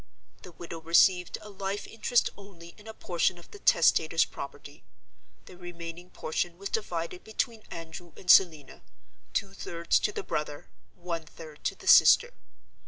The widow received a life interest only in a portion of the testator's property. The remaining portion was divided between Andrew and Selina—two thirds to the brother; one third to the sister.